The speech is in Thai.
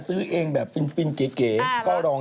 อยู่เป็นอยู่เป็น